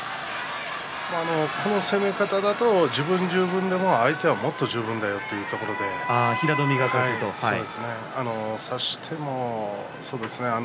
この攻め方だと自分十分でも相手はもっと十分だよというところで差しても、そうですね